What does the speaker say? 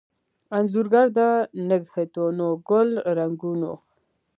انځورګر دنګهتونوګل رنګونو